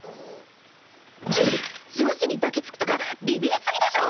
女子に抱きつくとかビビりすぎでしょ！